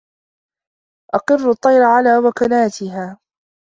أَقِرُّوا الطَّيْرَ عَلَى وُكُنَاتِهَا